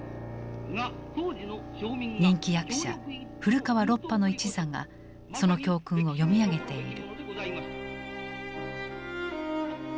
人気役者・古川ロッパの一座がその教訓を読み上げている。